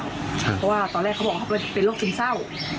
เพราะว่าตอนแรกเขาบอกเขาเป็นโรคซึมเศร้า